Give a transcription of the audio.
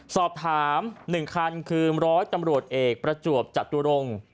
สอบถาม๑คันคือร้อยตำรวจเอกประจวบจตุรงค์